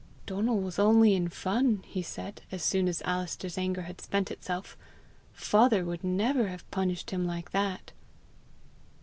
"Donal was only in fun!" he said, as soon as Alister's anger had spent itself. "Father would never have punished him like that!"